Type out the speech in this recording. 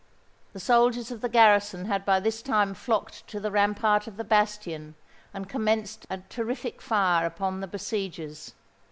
The soldiers of the garrison had by this time flocked to the rampart of the bastion, and commenced a terrific fire upon the besiegers.